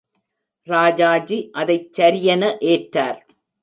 ராஜாஜி அதைச் சரியென ஏற்றார்.